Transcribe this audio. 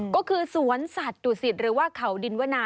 ก็คือสวนสัตว์ดุสิตหรือว่าเขาดินวนา